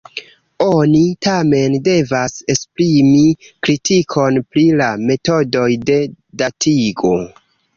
Oni, tamen, devas esprimi kritikon pri la metodoj de datigo.